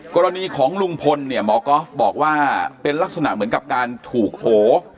กรณีของลุงพลเนี่ยหมอก๊อฟบอกว่าเป็นลักษณะเหมือนกับการถูกโห